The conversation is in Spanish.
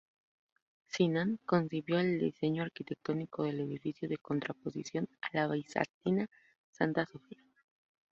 Sinan concibió el diseño arquitectónico del edificio en contraposición a la bizantina Santa Sofía.